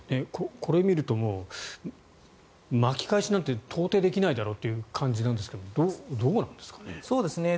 これを見ると巻き返しなんて到底できないだろうという感じなんですけどどうなんですかね。